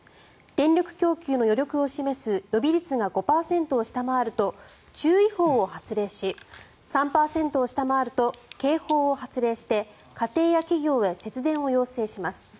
電力供給の余力を示す予備率が５％を下回ると注意報を発令し３％を下回ると警報を発令して家庭や企業へ節電を要請します。